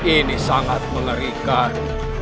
ini sangat mengerikan